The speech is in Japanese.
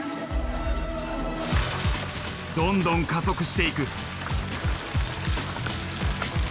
どんどん加速していく。